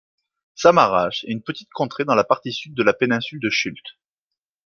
Samarach est une petite contrée dans la partie sud de la Péninsule de Chult.